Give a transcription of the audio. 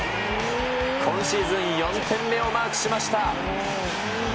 今シーズン４点目をマークしました。